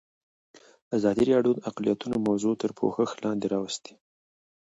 ازادي راډیو د اقلیتونه موضوع تر پوښښ لاندې راوستې.